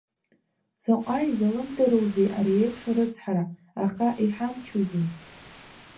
Заҟа изалымдароузеи ари еиԥш арыцҳара, аха иҳамчузеи?